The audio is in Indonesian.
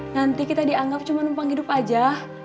nanti kita dianggap cuma numpang hidup aja